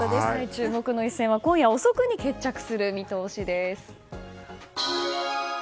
注目の一戦は今夜遅くに決着する見通しです。